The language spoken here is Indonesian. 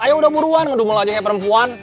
ayo udah buruan ngedumul aja ya perempuan